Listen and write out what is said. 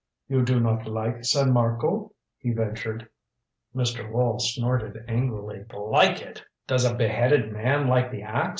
"You do not like San Marco?" he ventured. Mr. Wall snorted angrily. "Like it? Does a beheaded man like the ax?